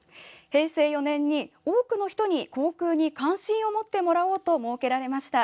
平成４年に、多くの人に航空に関心を持ってもらおうと設けられました。